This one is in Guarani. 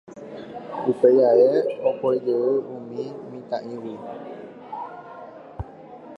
Upéi ae opoijey umi mitã'ígui.